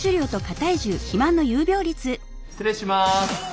失礼します。